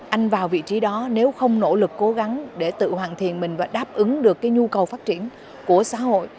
anh vào vị trí đó nếu không nỗ lực cố gắng để tự hoàn thiện mình và đáp ứng được cái nhu cầu phát triển của xã hội